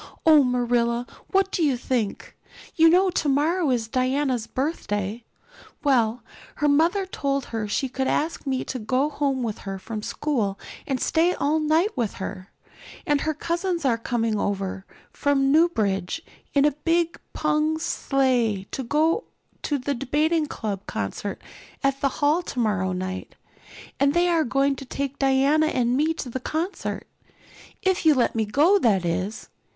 "Oh, Marilla, what do you think? You know tomorrow is Diana's birthday. Well, her mother told her she could ask me to go home with her from school and stay all night with her. And her cousins are coming over from Newbridge in a big pung sleigh to go to the Debating Club concert at the hall tomorrow night. And they are going to take Diana and me to the concert if you'll let me go, that is.